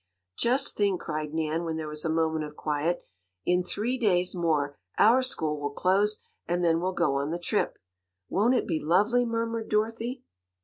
"Just think!" cried Nan, when there was a moment of quiet. "In three days more OUR school will close, and then we'll go on the trip." "Won't it be lovely!" murmured Dorothy.